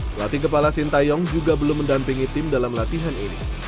pelatih kepala sintayong juga belum mendampingi tim dalam latihan ini